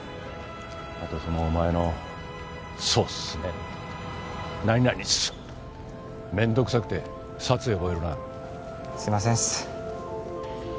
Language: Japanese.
あとそのお前の「そうっすね」とか「何々っす」とか面倒くさくて殺意覚えるな。すいませんっす。